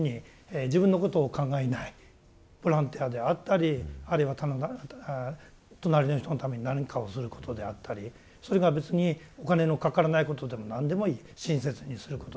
ボランティアであったりあるいは隣の人のために何かをすることであったりそれが別にお金のかからないことでも何でもいい親切にすることでも。